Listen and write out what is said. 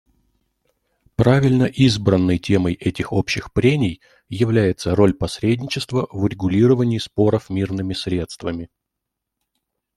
Правильно избранной темой этих общих прений является «Роль посредничества в урегулировании споров мирными средствами».